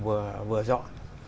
anh hùng vừa dọn